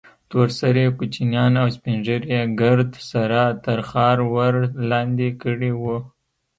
تور سرې کوچنيان او سپين ږيري يې ګرد سره تر خارور لاندې کړي وو.